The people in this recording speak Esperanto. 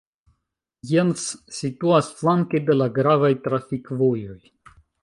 Jens situas flanke de la gravaj trafikvojoj.